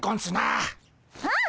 ああ。